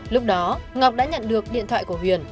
lúc đó ngọc đã nhận được điện thoại của huyền